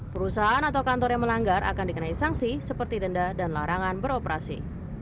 perusahaan atau kantor yang melanggar akan dikenai sanksi seperti denda dan larangan beroperasi